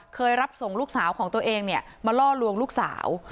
เคยรับส่งลูกสาวของตัวเองเนี่ยมาล่อลวงลูกสาว